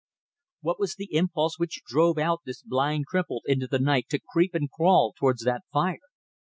What was the impulse which drove out this blind cripple into the night to creep and crawl towards that fire?